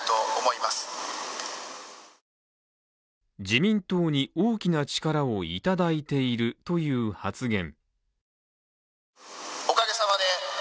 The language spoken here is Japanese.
自民党に大きな力をいただいているという発言。